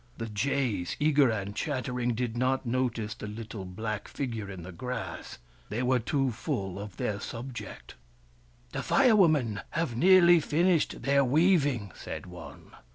The jays, eager and chattering, did not notice the little black figure in the grass. They were too full of their subject. " The Fire Women have nearly finished their weaving," said one.